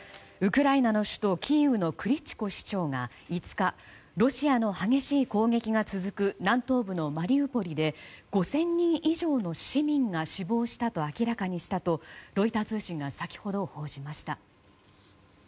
ウクライナの首都キーウのクリチコ市長が５日、ロシアの激しい攻撃が続く南東部のマリウポリで５０００人以上の市民が死亡したと明らかにしたとロイター通信が先ほど報じました。